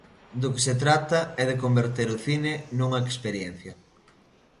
Do que se trata é de converter o cine nunha experiencia.